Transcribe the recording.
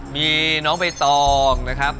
มีน้องใบตองนะครับ